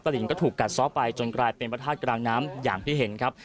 หลิงก็ถูกกัดซ้อไปจนกลายเป็นพระธาตุกลางน้ำอย่างที่เห็นครับ